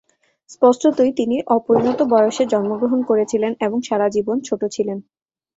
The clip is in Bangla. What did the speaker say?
স্পষ্টতই তিনি অপরিণত বয়সে জন্মগ্রহণ করেছিলেন এবং সারা জীবন ছোট ছিলেন।